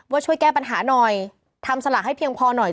ช่วยแก้ปัญหาหน่อยทำสละให้เพียงพอหน่อย